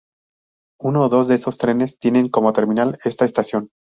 Uno o dos de esos trenes tienen como terminal esta estación.